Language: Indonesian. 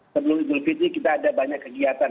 sebelum idul fitri kita ada banyak kegiatan